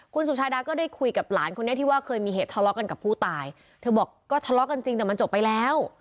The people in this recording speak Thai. คุณสุชาดาก็ได้คุยกับหลานคนนี้ที่ว่าเคยมีเหตุทะเลาะกันกับผู้ตายเธอบอกก็ทะเลาะกันจริงแต่มันจบไปแล้ว